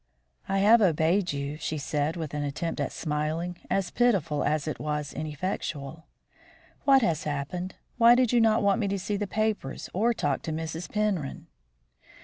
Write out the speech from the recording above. "I have obeyed you," she said, with an attempt at smiling as pitiful as it was ineffectual. "What has happened? Why did you not want me to see the papers or talk with Mrs. Penrhyn?"